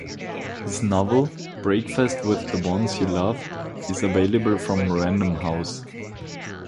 His novel "Breakfast with the Ones You Love" is available from Random House.